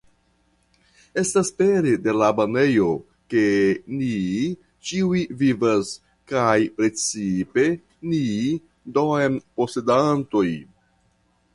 Estas pere de la banejo, ke ni ĉiuj vivas, kaj precipe ni domposedantoj.